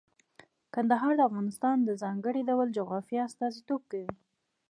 کندهار د افغانستان د ځانګړي ډول جغرافیه استازیتوب کوي.